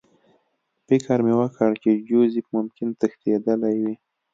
فکر مې وکړ چې جوزف ممکن تښتېدلی وي